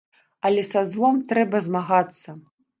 Але са злом трэба змагацца!